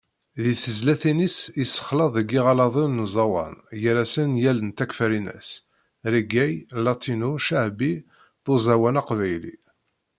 Deg tezlatin-is, yessexleḍ deg yiɣaladen n uẓawan, gar-asen Yal n Takfarinas, Reggai, Latino, Ccaɛbi, d uẓawan aqbayli.